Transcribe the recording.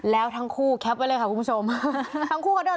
แล้วทั้งคู่แคปไว้เลยค่ะคุณผู้ชม